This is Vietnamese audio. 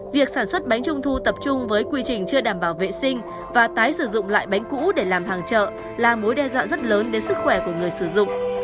việc sản xuất bánh trung thu tập trung với quy trình chưa đảm bảo vệ sinh và tái sử dụng lại bánh cũ để làm hàng chợ là mối đe dọa rất lớn đến sức khỏe của người sử dụng